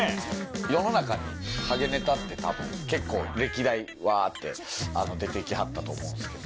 世の中にハゲネタって、結構歴代、わーって出てきはったと思うんですけど。